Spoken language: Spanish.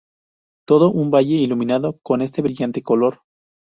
Todo un valle iluminado con este brillante color.